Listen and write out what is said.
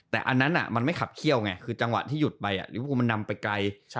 แต่อันนั้นมันไม่ขับเขี้ยวไงคือจังหวะที่หยุดไปลิเวฟูมันนำไปไกล